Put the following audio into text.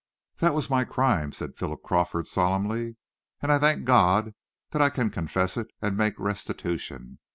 "That was my crime," said Philip Crawford solemnly, "and I thank God that I can confess it and make restitution.